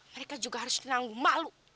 mereka juga harus nanggu malu